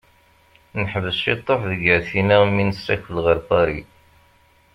Neḥbes cituḥ deg Atina mi nessakel ɣer Paris.